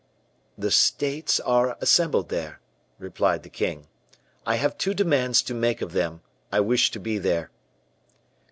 "The States are assembled there," replied the king. "I have two demands to make of them: I wish to be there."